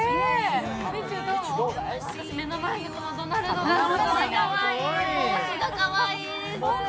私、目の前のこのドナルドがすごくかわいい、帽子がかわいい。